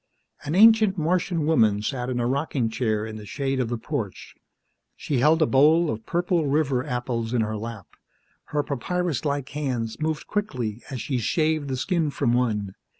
An ancient Martian woman sat in a rocking chair in the shade of the porch. She held a bowl of purple river apples in her lap. Her papyrus like hands moved quickly as she shaved the skin from one.